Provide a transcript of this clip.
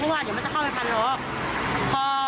เพราะว่าเดี๋ยวมันจะเข้าไปพันล้อ